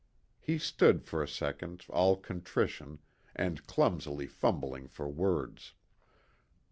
He stood for a second all contrition, and clumsily fumbling for words.